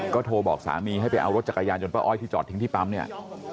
ก็โทรบอกสามีให้ไปเอารถจักรยานยนต์ป้าอ้อยที่จอดทิ้งที่ปั๊มเนี่ย